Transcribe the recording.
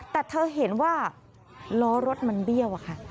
แต่เธอเห็นว่าล้อรถมันเบี้ยวอะค่ะ